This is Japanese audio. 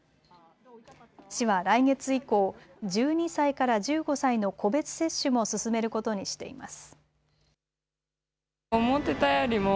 市は来月以降、１２歳から１５歳の個別接種も進めることにしています。